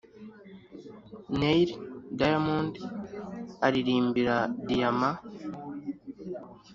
neil diamond aririmbira diyama